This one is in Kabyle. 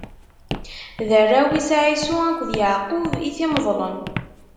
D arraw-is Ɛisu akked Yeɛqub i t-imeḍlen.